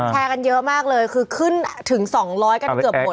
แชร์กันเยอะมากเลยคือขึ้นถึง๒๐๐กันเกือบหมด